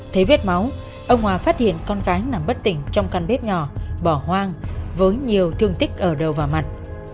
thấy vết máu ông hòa phát hiện con gái nằm bất tỉnh trong căn bếp nhỏ bỏ hoang với nhiều thương tích ở đầu vào mặt